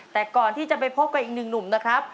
แต่ก่อนที่จะไปพบกับอีกหนึ่งหนุ่มนะครับ